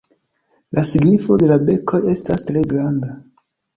La signifo de la bekoj estas tre granda.